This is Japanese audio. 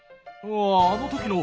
ああの時の。